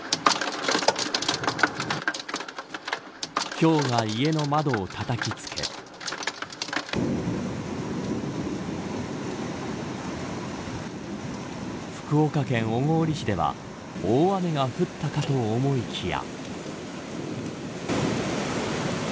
ひょうが家の窓をたたきつけ福岡県小郡市では大雨が降ったかと思いきや。